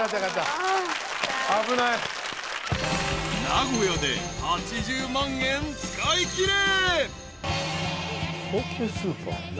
［名古屋で８０万円使いきれ］